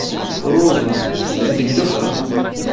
Ṛuza tessazdeg-d axxam.